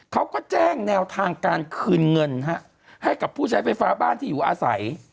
เขาก็แจ้งแนวทางการคืนเงินให้กับผู้ใช้ไฟฟ้าบ้านที่อยู่อาศัย